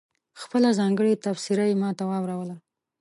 خپله ځانګړې تبصره یې ماته واوروله.